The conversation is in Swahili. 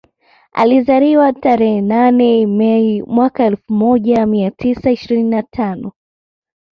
Alizaliwa tarehe nane Mei mwaka elfu moja mia tisa ishirini na tano